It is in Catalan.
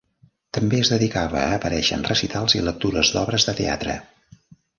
També es dedicava a aparèixer en recitals i lectures d'obres de teatre.